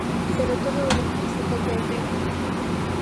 Pero todo o demais é copia e pega.